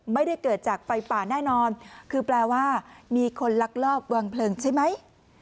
ไม่ได้เกิดจากไฟป่าแน่นอนคือแปลว่ามีคนลักลอบวางเพลิงใช่ไหม